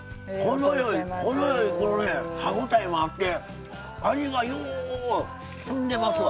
程よい程よいこのね歯応えもあって味がようしゅんでますわ。